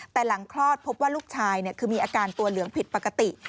แต่หลังคลอดพบว่าลูกชายคือมีอาการตัวเหลืองผิดปกติ